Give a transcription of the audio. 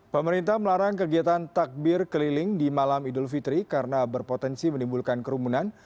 pemerintah melarang kegiatan takbir keliling di malam idul fitri karena berpotensi menimbulkan kerumunan